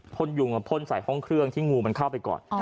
พ่นยุงพ่นใส่ห้องเครื่องที่งูมันเข้าไปก่อน